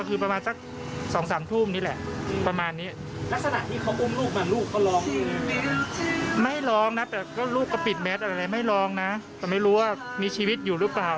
เหมือนเป็นคนได้ร่อนแล้วดูน่าเป็นห่วงว่าเด็กยังมีชีวิตอยู่หรือเปล่า